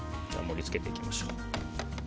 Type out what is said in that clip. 盛り付けていきましょう。